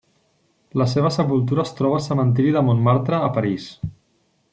La seva sepultura es troba al Cementiri de Montmartre a París.